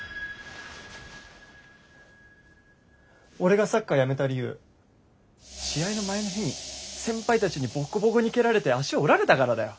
俺がサッカーやめた理由試合の前の日に先輩たちにボッコボコに蹴られて足折られたからだよ。